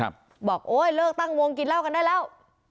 บอกโอ๊ยเลิกตั้งวงกินเหล้ากันได้แล้ว